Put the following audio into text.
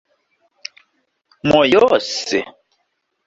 mojose